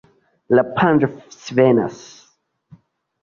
La panjo svenas.